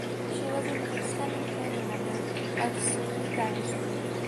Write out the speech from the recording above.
She was an extended family member of Sui Dynasty.